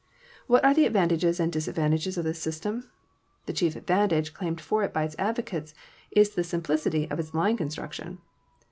What are the advantages and disadvantages of this sys tem ? The chief advantage claimed for it by its advocates is the simplicity of its line construction.